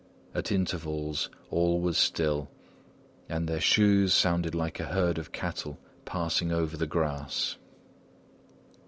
At intervals all was still, and their shoes sounded like a herd of cattle passing over the grass.